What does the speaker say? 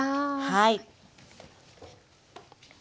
はい。